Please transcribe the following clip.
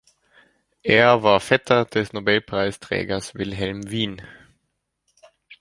Er war Vetter des Nobelpreisträgers Wilhelm Wien.